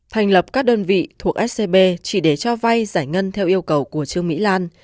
thành lập các đơn vị thuộc scb chỉ để cho vay giải ngân theo yêu cầu của trương mỹ lan